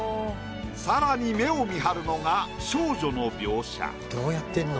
さらに目をみはるのが少女の描写。